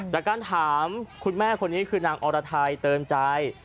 จากการถามคุณแม่คนนี้คือนางอรไทยเติมใจ